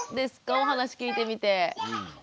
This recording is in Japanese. お話聞いてみて。